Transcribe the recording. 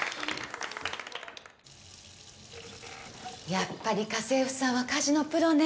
やっぱり家政婦さんは家事のプロね。